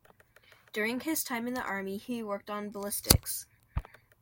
During his time in the army he worked on ballistics.